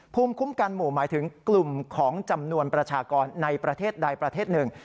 ภูมิคุ้มกันหมู่หมายถึงกลุ่มของจำนวนประชากรในประเทศใดประเทศหนึ่ง